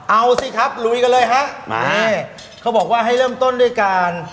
เอาสิครับลุยกันเลยฮะมาเขาบอกว่าให้เริ่มต้นด้วยการ